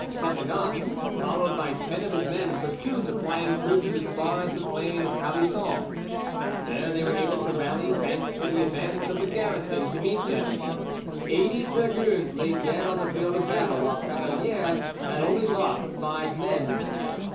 Catinat, followed by ten of his men, pursued the flying troops as far as the plain of Calvisson. There they were able to rally, thanks to the advance of the garrison to meet them. Eighty dragoons lay dead on the field of battle, while Cavalier had only lost five men.